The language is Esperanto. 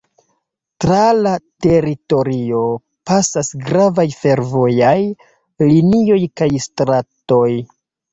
Tra la teritorio pasas gravaj fervojaj linioj kaj stratoj.